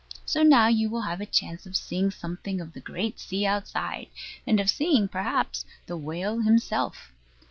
So now you will have a chance of seeing something of the great sea outside, and of seeing, perhaps, the whale himself.